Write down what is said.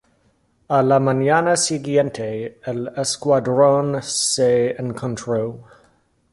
A la mañana siguiente el escuadrón se encontró